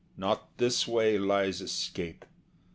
Not this way lies escape.